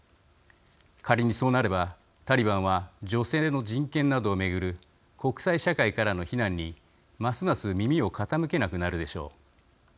仮にそうなれば、タリバンは女性の人権などを巡る国際社会からの非難に、ますます耳を傾けなくなるでしょう。